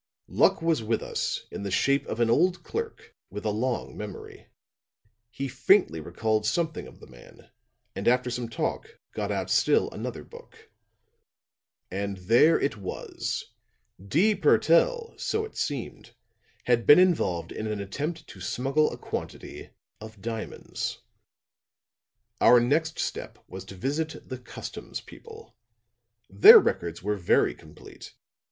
"'Luck was with us in the shape of an old clerk with a long memory. He faintly recalled something of the man, and after some talk got out still another book. And there it was! D. Purtell, so it seemed, had been involved in an attempt to smuggle a quantity of diamonds. "'Our next step was to visit the customs people. Their records were very complete.